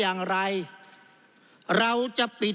จึงฝากกลับเรียนเมื่อเรามีการแก้รัฐพาหารกันอีก